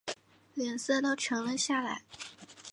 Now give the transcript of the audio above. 脸色都沉了下来